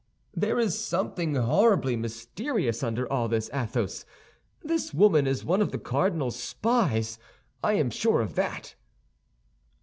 "There is something horribly mysterious under all this, Athos; this woman is one of the cardinal's spies, I am sure of that."